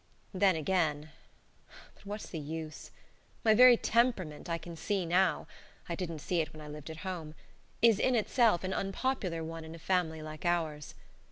Then again but what's the use? My very temperament I can see now (I didn't see it when I lived at home) is in itself an unpopular one in a family like ours.